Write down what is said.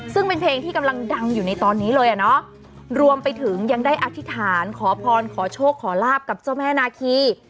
ซึ่งเป็นเพลงที่กำลังดังอยู่ในตอนนี้เลยอ่ะเนาะรวมไปถึงยังได้อธิษฐานขอพรขอโชคขอลาบกับเจ้าแม่นาคี